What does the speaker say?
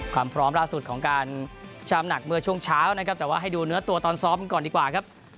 ความพร้อมล่าสุดของการชามหนักเมื่อช่วงเช้านะครับแต่ว่าให้ดูเนื้อตัวตอนซ้อมก่อนดีกว่าครับ